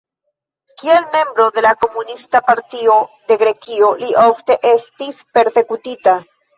Kiel membro de la Komunista Partio de Grekio li ofte estis persekutita.